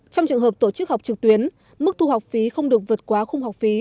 trong trường hợp tổ chức học trực tuyến mức thu học phí không được vượt qua khung học phí